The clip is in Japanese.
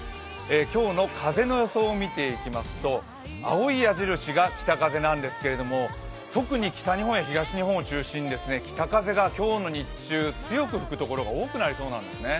今日の風の予想を見ていきますと青い矢印が北風なんですけれども特に北日本や東日本を中心に北風が今日の日中強く吹く所が多くなりそうなんですね。